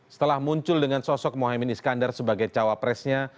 setelah muncul dengan sosok mohaimin iskandar sebagai cawapresnya